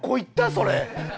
それ。